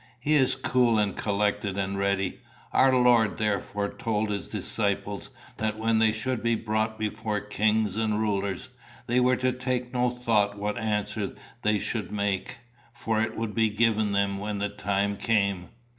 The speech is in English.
He is cool and collected and ready. Our Lord therefore told his disciples that when they should be brought before kings and rulers, they were to take no thought what answer they should make, for it would be given them when the time came."